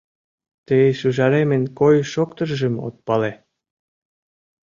— Тый шӱжаремын койыш-шоктышыжым от пале.